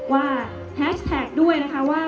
แฮชแท็กด้วยนะคะว่า